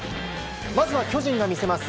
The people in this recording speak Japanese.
まずは巨人が見せます。